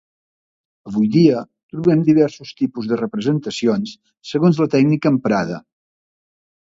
Avui dia, trobem diversos tipus de representacions segons la tècnica emprada.